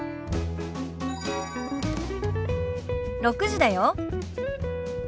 ６時だよ。